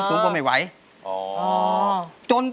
น้อยดูลายมอนมานี่ก่อน